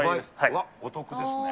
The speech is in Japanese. わっ、お得ですね。